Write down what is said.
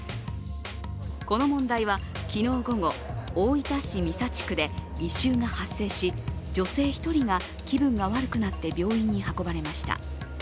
この問題は昨日午後、大分市三佐地区で異臭が発生し、女性１人が気分が悪くなって病院に運ばれました。